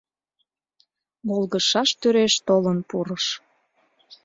Волгыжшаш тӱреш толын пурыш.